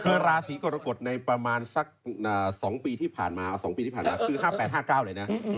เจอละสีกต่อคตในประมาณสัก๒ปีที่ผ่านมาคือ๕๘๙เลยนะ